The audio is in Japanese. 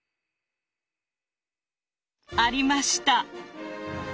ありました！